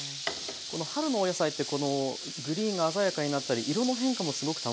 この春のお野菜ってこのグリーンが鮮やかになったり色の変化もすごく楽しみですよね。